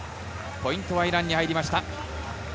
ポイントはイランに入りました。